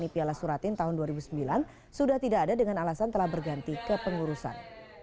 piala suratin tahun dua ribu sembilan sudah tidak ada dengan alasan telah berganti ke pengurusan